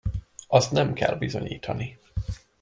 Azt nem kell bizonyítani.